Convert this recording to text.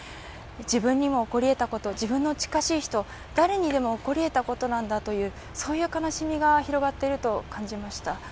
自分にも起こりえたこと、自分の近しい人誰にでも起こりえたことなんだというそういう悲しみが広がっていると感じました。